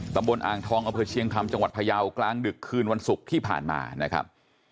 ตำบลอ่างทองอำเภอเชียงคำจังหวัดพยาวกลางดึกคืนวันศุกร์ที่ผ่านมานะครับ